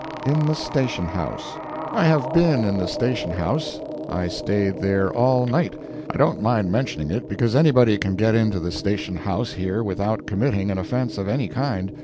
IN THE STATION HOUSE I have been in the Station House. I staid there all night. I don't mind mentioning it, because anybody can get into the Station House here without committing an offence of any kind.